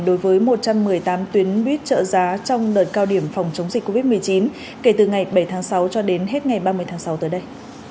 đợt cao điểm phòng chống dịch covid một mươi chín kể từ ngày bảy tháng sáu cho đến hết ngày ba mươi tháng sáu tới đây